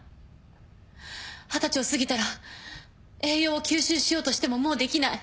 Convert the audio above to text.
二十歳を過ぎたら栄養を吸収しようとしてももうできない。